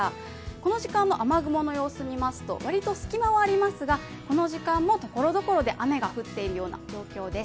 この時間の雨雲の様子を見ますと割と隙間はありますが、この時間もところどころで雨が降っているような状況です。